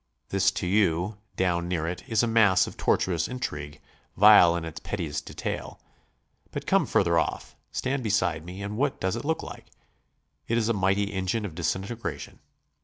This to you, down near it, is a mass of tortuous intrigue; vile in its pettiest detail. But come further off; stand beside me, and what does it look like? It is a mighty engine of disintegration.